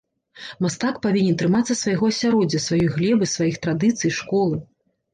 Мастак павінен трымацца свайго асяроддзя, сваёй глебы, сваіх традыцый, школы.